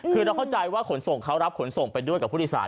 คือเราเข้าใจว่าขนส่งเขารับขนส่งไปด้วยกับผู้โดยสาร